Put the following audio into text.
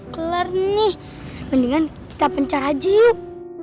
kelar nih mendingan kita pencar aja yuk